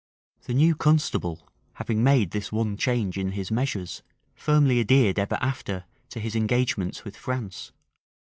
The new constable, having made this one change in his measures, firmly adhered ever after to his engagements with France.